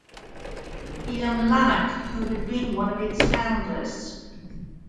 William Larnach who had been one of its founders.